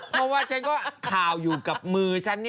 เพราะว่าฉันก็ข่าวอยู่กับมือฉัน